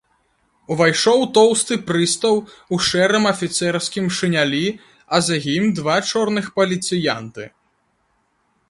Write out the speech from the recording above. Увайшоў тоўсты прыстаў у шэрым афіцэрскім шынялі, а за ім два чорных паліцыянты.